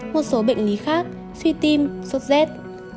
một số bệnh lý khác suy tim sốt rét